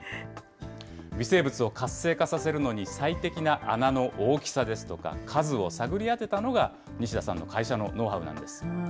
微生物を活性化させるのに最適な穴の大きさですとか、数を探り当てたのが、西田さんの会社のノウハウなんです。